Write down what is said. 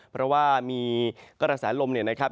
เพราะว่ามีกระแสลมเนี่ยนะครับ